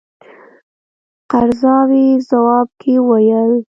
قرضاوي ځواب کې وویل.